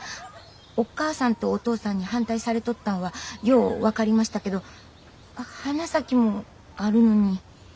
お母さんとお父さんに反対されとったんはよう分かりましたけど花咲もあるのに。